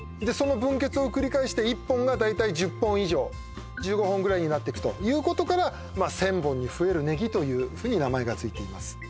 その分けつを繰り返して１本が大体１０本以上１５本ぐらいになっていくということから１０００本に増えるネギというふうに名前がついています